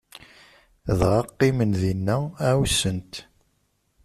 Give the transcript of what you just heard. Dɣa qqimen dinna, ɛussen-t.